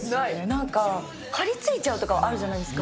なんか、張り付いちゃうとかあるじゃないですか。